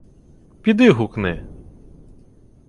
— Піди гукни.